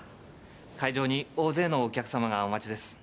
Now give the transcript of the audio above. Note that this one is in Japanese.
会場に大勢のお客様がお待ちです。